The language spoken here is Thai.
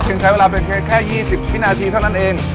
เพียงใช้เวลาเป็นแค่แค่ยี่สิบวินาทีเท่านั้นเอง